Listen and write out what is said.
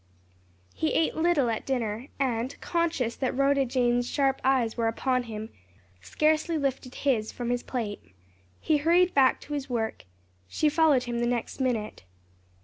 He ate little at dinner, and conscious that Rhoda Jane's sharp eyes were upon him, scarcely lifted his from his plate. He hurried back to his work. She followed him the next minute.